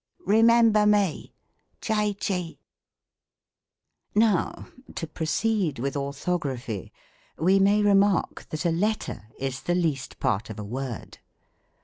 remember Mee I 'I ^^t/fre^f Now, to proceed with Orthography, we may remark, that a letter is the least part of a word.